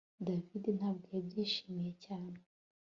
David ntabwo yabyishimiye cyane